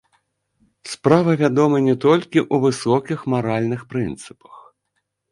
Справа, вядома, не толькі ў высокіх маральных прынцыпах.